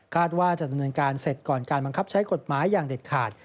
ว่าจะดำเนินการเสร็จก่อนการบังคับใช้กฎหมายอย่างเด็ดขาด